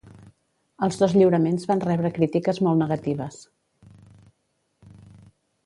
Els dos lliuraments van rebre crítiques molt negatives.